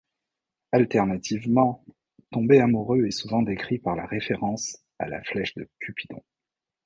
Alternativement, tomber amoureux est souvent décrit par la référence à la flèche Cupidon.